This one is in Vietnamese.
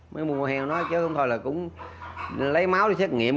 mới mua heo nói chứ không thôi là cũng lấy máu đi xét nghiệm